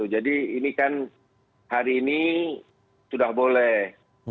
jadi ini kan hari ini sudah boleh